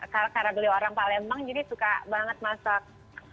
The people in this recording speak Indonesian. terus karena beliau orang palembang jadi suka banget masak